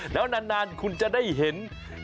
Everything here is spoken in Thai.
แล้วนานคุณจะได้เห็น